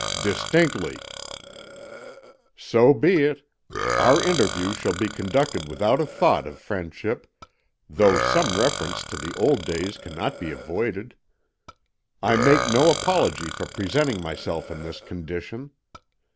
"Distinctly." "So be it. Our interview shall be conducted without a thought of friendship, though some reference to the old days cannot be avoided. I make no apology for presenting myself in this condition.